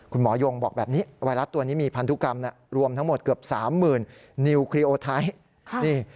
โยงบอกแบบนี้ไวรัสตัวนี้มีพันธุกรรมรวมทั้งหมดเกือบ๓๐๐๐นิวครีโอไทย